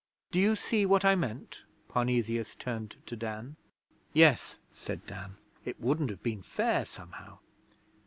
Do you see what I meant?' Parnesius turned to Dan. 'Yes,' said Dan. 'It wouldn't have been fair, somehow.'